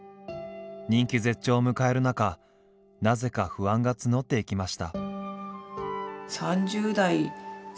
人気絶頂を迎える中なぜか不安が募っていきました。